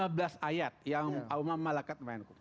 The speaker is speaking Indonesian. ada lima belas ayat yang ummam malakat memainkuk